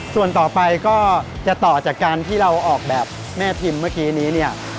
ส่วนต่อไปก็จะต่อจากการที่เราออกแบบแม่พิมพ์เมื่อกี้นี้เนี่ย